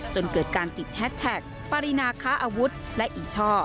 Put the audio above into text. จนเกิดการติดแฮสแท็กปรินาค้าอาวุธและอีช่อ